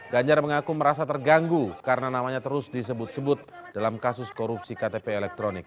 ganjar mengaku merasa terganggu karena namanya terus disebut sebut dalam kasus korupsi ktp elektronik